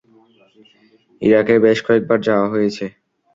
ইরাকে বেশ কয়েকবার যাওয়া হয়েছে।